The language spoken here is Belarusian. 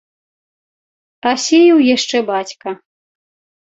А сеяў яшчэ бацька.